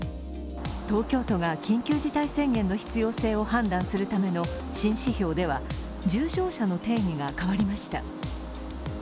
東京都が緊急事態宣言の必要性を判断するための新指標では重症者の定義が変わりました。